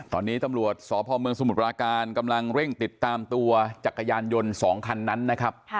ตอนนี้ตำรวจสพเมืองสมุทรปราการกำลังเร่งติดตามตัวจักรยานยนต์๒คันนั้นนะครับ